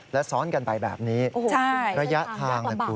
แล้วซ้อนกันไปแบบนี้ระยะทางนะคุณ